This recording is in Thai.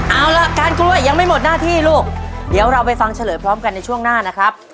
เอาล่ะการกล้วยยังไม่หมดหน้าที่ลูกเดี๋ยวเราไปฟังเฉลยพร้อมกันในช่วงหน้านะครับ